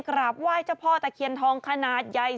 กราบไหว้เจ้าพ่อตะเคียนทองขนาดใหญ่